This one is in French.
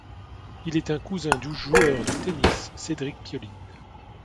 Il est un cousin du joueur de tennis Cédric Pioline.